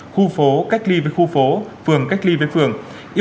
khu phố cách ly với khu phố phường cách ly với phường